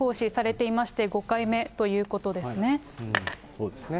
そうですね。